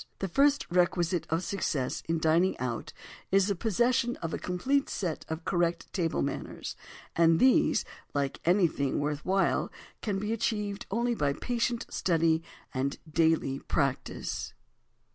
The first requisite of success in dining out is the possession of a complete set of correct table manners—and these, like anything worth while, can be achieved only by patient study and daily practise.